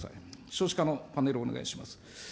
少子化のパネルをお願いします。